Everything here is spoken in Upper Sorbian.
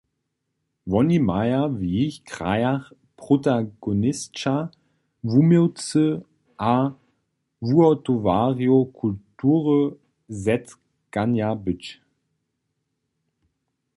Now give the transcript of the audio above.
Woni maja w jich krajach protagonisća, wuměłcy a wuhotowarjo kultury zetkanja być.